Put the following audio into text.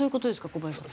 小林さん。